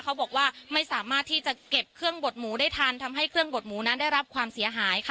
เขาบอกว่าไม่สามารถที่จะเก็บเครื่องบดหมูได้ทันทำให้เครื่องบดหมูนั้นได้รับความเสียหายค่ะ